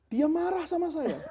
dia marah sama saya